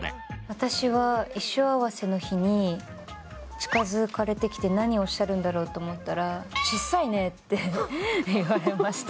近づかれてきて、何をおっしゃるんだろうと思ったら、小っさいねって言われました。